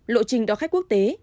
lộ trình đó khách quốc tế